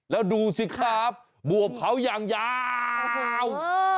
แล้วดูสิครับบวบเขาอย่างยาว